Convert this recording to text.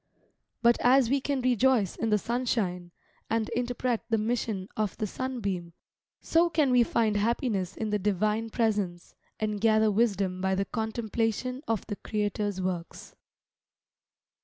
But as we can rejoice in the sunshine, and interpret the mission of the sunbeam, so can we find happiness in the Divine presence, and gather wisdom by the contemplation of the Creator's works.